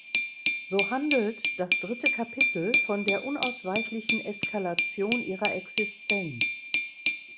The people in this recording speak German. So handelt das dritte Kapitel von der unausweichlichen Eskalation ihrer Existenz.